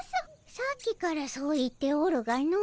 さっきからそう言っておるがの。